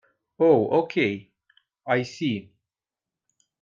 Oh okay, I see.